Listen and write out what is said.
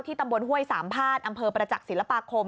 ตำบลห้วยสามพาดอำเภอประจักษ์ศิลปาคม